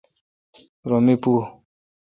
رو می پو۔